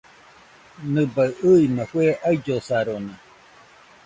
Nɨbaɨ ɨima fue aillosarona.